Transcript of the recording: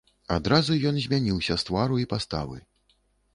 Адразу ён змяніўся з твару і паставы.